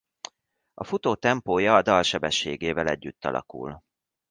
A futó tempója a dal sebességével együtt alakul.